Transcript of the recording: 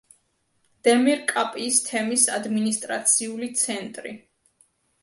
დემირ-კაპიის თემის ადმინისტრაციული ცენტრი.